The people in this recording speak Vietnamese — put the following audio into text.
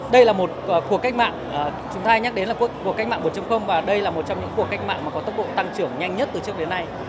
đây là một cuộc cách mạng chúng ta nhắc đến là cuộc cách mạng một và đây là một trong những cuộc cách mạng mà có tốc độ tăng trưởng nhanh nhất từ trước đến nay